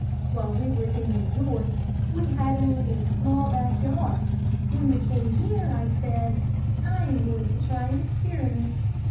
While we were in New York, we had only a small, back yard. When we came here, I said, 'I am going to try an experiment.'